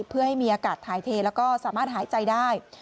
เพื่อให้มีอากาศถ่ายเทแล้วก็สามารถหายใจได้